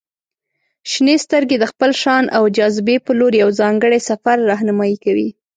• شنې سترګې د خپل شان او جاذبې په لور یو ځانګړی سفر رهنمائي کوي.